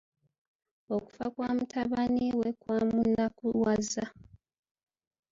Okufa kwa mutabani we kwamunakuwaza.